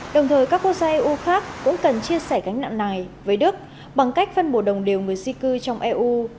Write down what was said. đồng thời các quốc gia eu khác cũng cần chia sẻ gánh nặng này với đức bằng cách phân bổ đồng đều người di cư trong eu